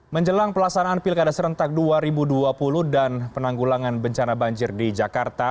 menjelang pelaksanaan pilkada serentak dua ribu dua puluh dan penanggulangan bencana banjir di jakarta